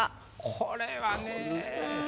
これはね。